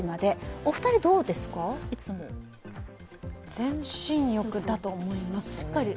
全身浴だと思いますね。